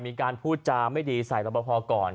มีการพูดจาไม่ดีที่ส่ายลำบ่อพรก่อน